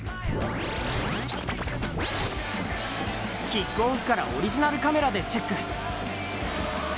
キックオフからオリジナルカメラでチェック。